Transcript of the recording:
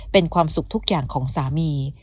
เป็นความสุขทุกอย่างของสามี